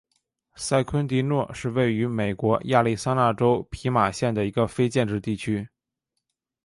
塞昆迪诺是位于美国亚利桑那州皮马县的一个非建制地区。